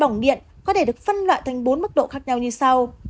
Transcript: bỏng điện có thể được phân loại thành bốn mức độ khác nhau như sau